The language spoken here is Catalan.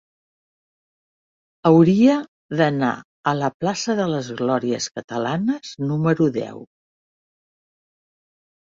Hauria d'anar a la plaça de les Glòries Catalanes número deu.